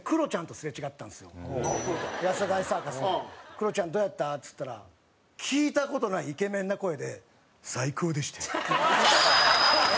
「クロちゃんどうやった？」っつったら聞いた事ないイケメンな声で「最高でした！」って。